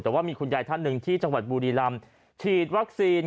แต่ว่ามีคุณยายท่านหนึ่งที่จังหวัดบุรีรำฉีดวัคซีน